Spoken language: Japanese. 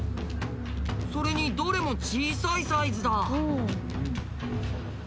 それにどれも小さいサイズだ。